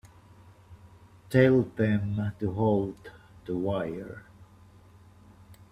Tell them to hold the wire.